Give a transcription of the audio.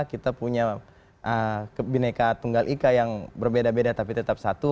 kita punya bineka tunggal ika yang berbeda beda tapi tetap satu